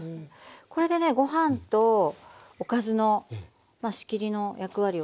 これでねご飯とおかずの仕切りの役割を果たしますのではい。